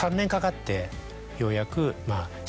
ようやく。